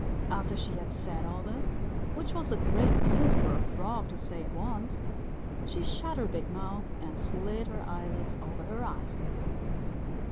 After she had said all this, which was a great deal for a Frog to say at once, she shut her big mouth and slid her eyelids over her eyes.